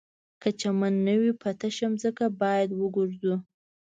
که چمن نه وي په تشه ځمکه باید وګرځو